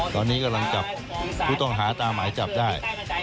ตอนนี้กำลังจับผู้ต้องหาตามหมายจับได้